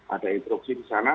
ada instruksi di sana